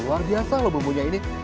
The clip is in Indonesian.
luar biasa loh bumbunya ini